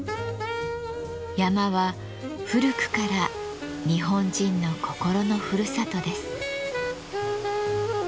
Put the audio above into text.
山は古くから日本人の心のふるさとです。